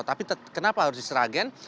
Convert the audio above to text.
tapi kenapa harus di sragen